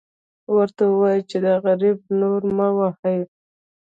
ورته ووایه چې دا غریب نور مه وهئ.